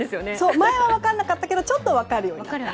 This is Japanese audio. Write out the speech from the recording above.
前は分からなかったけどちょっと分かるようになったと。